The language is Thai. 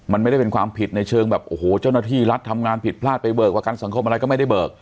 มันไม่ได้เป็นความผิดในเชิงแบบโอ้โหเจ้าหน้าที่รัฐทำงานผิดพลาดไปเบิกประกันสังคมอะไรก็ไม่ได้เบิก